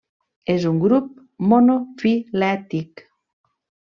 És un grup monofilètic.